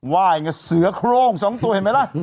วายกับเสือโล่ง๒ตัวเห็นไหมล่ะ